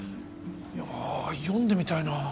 いや読んでみたいなぁ